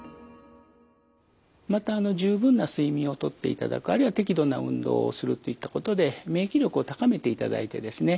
またあの十分な睡眠をとっていただくあるいは適度な運動をするといったことで免疫力を高めていただいてですね